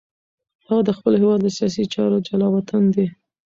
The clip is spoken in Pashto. هغه د خپل هېواد له سیاسي چارو جلاوطن دی.